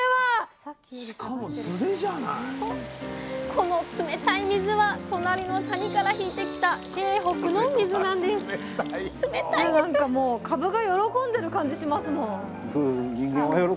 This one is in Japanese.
この冷たい水は隣の谷から引いてきた京北の水なんですアハハハハハハハハッ。